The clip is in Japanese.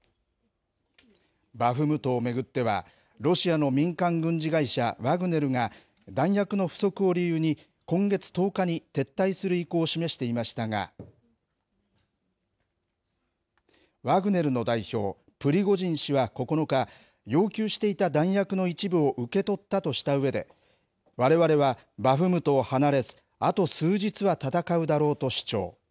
バフムトを巡っては、ロシアの民間軍事会社ワグネルが、弾薬の不足を理由に、今月１０日に撤退する意向を示していましたが、ワグネルの代表、プリゴジン氏は９日、要求していた弾薬の一部を受け取ったとしたうえで、われわれはバフムトを離れず、あと数日は戦うだろうと主張。